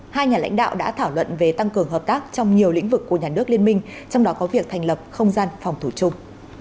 hai nhà lãnh đạo đã thảo luận về tăng cường hợp tác trong nhiều lĩnh vực của nhà nước liên minh trong đó có việc thành lập không gian phòng thủ chung